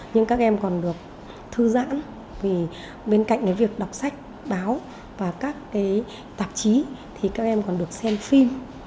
nhưng các em còn được thư giãn vì bên cạnh cái việc đọc sách báo và các cái tạp chí thì các em còn được xem phim